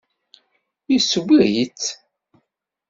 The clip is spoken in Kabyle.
Yesseww-itt?